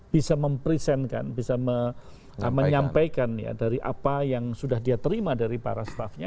bisa mempresentkan bisa menyampaikan ya dari apa yang sudah dia terima dari para staffnya